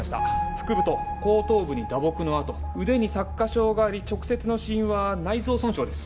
腹部と後頭部に打撲の痕腕に擦過傷があり直接の死因は内臓損傷です。